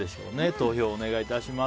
投票をお願いします。